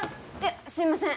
すいません